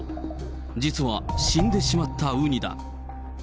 実は死んでしまったウニだ。